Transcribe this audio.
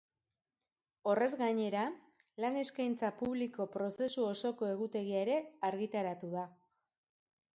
Horrez gainera, lan eskaintza publiko prozesu osoko egutegia ere argitaratu da.